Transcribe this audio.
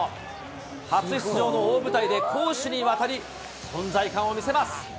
初出場の大舞台で、攻守にわたり、存在感を見せます。